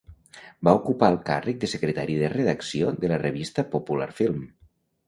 Va ocupar el càrrec de secretari de redacció de la revista Popular Film.